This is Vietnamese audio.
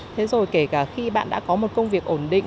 thế rồi kể cả khi bạn đã có một công việc ổn định